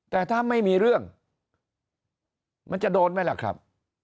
แต่ถ้าไม่มีเรื่องมันจะโดนไหมล่ะครับ